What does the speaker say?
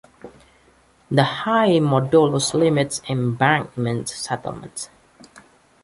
The high modulus limits embankment settlements.